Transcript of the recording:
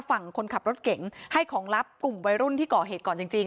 ฝั่งคนขับรถเก๋งให้ของลับกลุ่มวัยรุ่นที่ก่อเหตุก่อนจริง